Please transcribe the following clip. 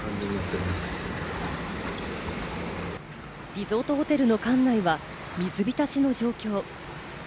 リゾートホテルの館内は水浸しの状況。